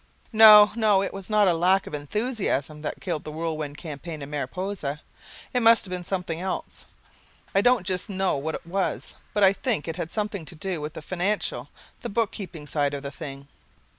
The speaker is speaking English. No, no, it was not lack of enthusiasm that killed the Whirlwind Campaign in Mariposa. It must have been something else. I don't just know what it was but I think it had something to do with the financial, the book keeping side of the thing.